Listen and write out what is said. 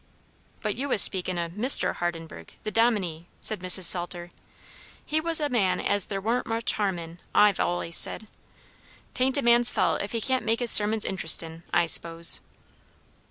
"But you was speakin' o' Mr. Hardenburgh, the dominie," said Mrs. Salter. "He was a man as there warn't much harm in, I've allays said. 'Tain't a man's fault if he can't make his sermons interestin', I s'pose."